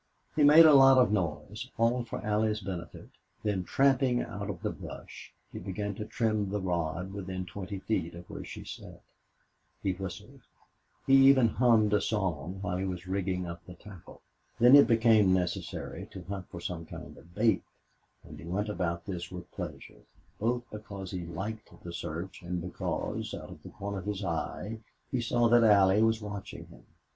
He made a lot of noise all for Allie's benefit; then, tramping out of the brush, he began to trim the rod within twenty feet of where she sat. He whistled; he even hummed a song while he was rigging up the tackle. Then it became necessary to hunt for some kind of bait, and he went about this with pleasure, both because he liked the search and because, out of the corner of his eye, he saw that Allie was watching him.